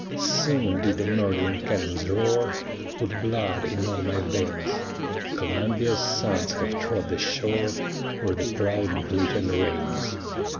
Soon did the murdering cannon's roar Put blood in all my veins; Columbia's sons have trod the shore Where the proud Britain reigns.